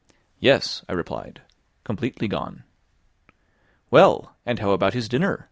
"Yes," I replied, "completely gone." "Well; and how about his dinner?"